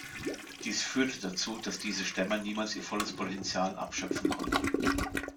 Dies führte dazu, dass diese Stemmer niemals ihr volles Potenzial abschöpfen konnten.